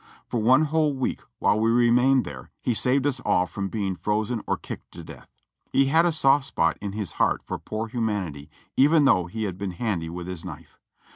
For one whole week, while we remained there, he saved us all from being frozen or kicked to death. He had a soft spot in his heart for pKDor humanity even though he had been handy with his knife.